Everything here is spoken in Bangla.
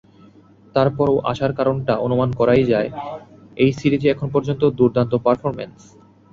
তার পরও আশার কারণটা অনুমান করাই যায়—এই সিরিজে এখন পর্যন্ত দুর্দান্ত পারফরম্যান্স।